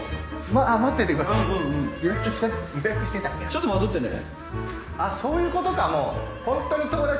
ちょっと待っとってね。